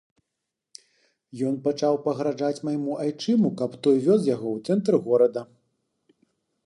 Ён пачаў пагражаць майму айчыму, каб той вёз яго ў цэнтр горада.